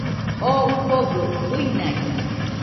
Oo ɨfogɨ uinaide